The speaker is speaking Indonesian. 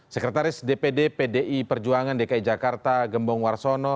sekretaris dpd pdi perjuangan dki jakarta gembong warsono